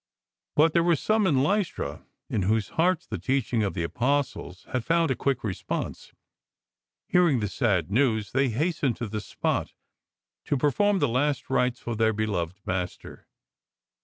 But there were some in Lystra in whose hearts the teaching of the Apostles had found a quick response. Hearing the sad news, they hastened to the spot to perform the last rites for their beloved master.